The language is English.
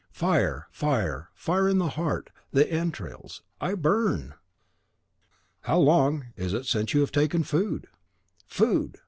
"Fire, fire, fire in the heart, the entrails: I burn!" "How long is it since you have taken food?" "Food!